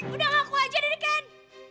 udah ngaku aja dari ken